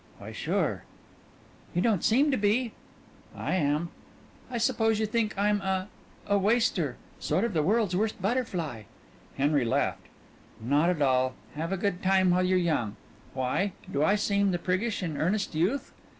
"Why, sure." "You don't seem to be." "I am." "I suppose you think I'm a a waster. Sort of the World's Worst Butterfly." Henry laughed. "Not at all. Have a good time while you're young. Why? Do I seem like the priggish and earnest youth?"